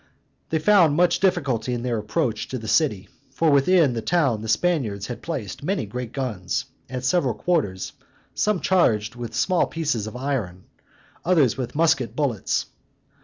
They found much difficulty in their approach to the city, for within the town the Spaniards had placed many great guns, at several quarters, some charged with small pieces of iron, and others with musket bullets.